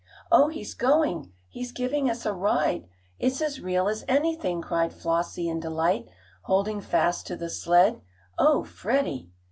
"Oh, he's going! He's giving us a ride! It's as real as anything!" cried Flossie in delight, holding fast to the sled. "Oh, Freddie!"